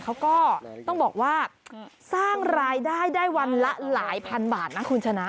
เขาก็ต้องบอกว่าสร้างรายได้ได้วันละหลายพันบาทนะคุณชนะ